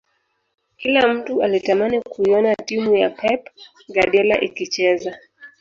Kila mtu alitamani kuiona timu ya pep guardiola ikicheza